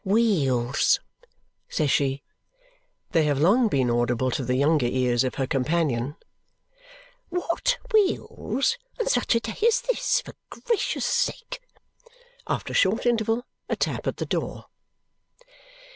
"Wheels!" says she. They have long been audible to the younger ears of her companion. "What wheels on such a day as this, for gracious sake?" After a short interval, a tap at the door.